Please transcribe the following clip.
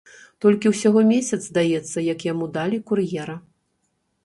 Толькі ўсяго месяц, здаецца, як яму далі кур'ера.